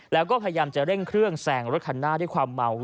แล้วก็พยายามจะเร่งเครื่องแซงรถคันหน้าด้วยความเมา